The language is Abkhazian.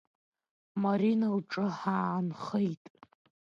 Марина лҿы ҳаанхеит.